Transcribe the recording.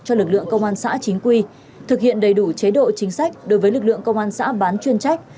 cho lực lượng công an xã chính quy thực hiện đầy đủ chế độ chính sách đối với lực lượng công an xã bán chuyên trách